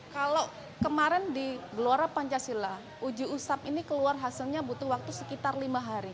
kalau kemarin di gelora pancasila uji usap ini keluar hasilnya butuh waktu sekitar lima hari